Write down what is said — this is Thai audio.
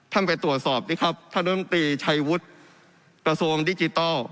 ท่านไปตรวจสอบดิครับท่านดนตรีชัยวุฒิกระทรวงดิจิตอล